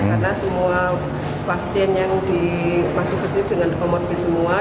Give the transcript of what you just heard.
karena semua pasien yang dimasukkan ini dengan komodit semua